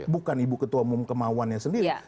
bukan ibu ketua umum kemauannya sendiri